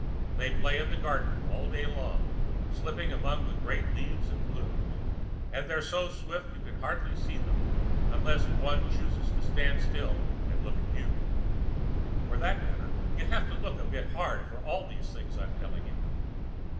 They play in the garden, all day long, slipping among the great leaves and blooms, but they're so swift that you can hardly see them, unless one chooses to stand still and look at you. For that matter, you have to look a bit hard for all these things I'm telling you."